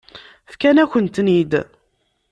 Fkan-akent-ten-id.